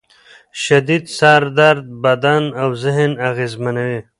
شدید سر درد بدن او ذهن اغېزمنوي.